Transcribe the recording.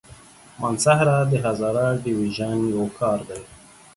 مانسهره د هزاره ډويژن يو ښار دی.